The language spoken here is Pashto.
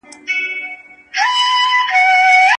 شاګرد څنګه کولای سي مناسب ماخذونه پیدا کړي؟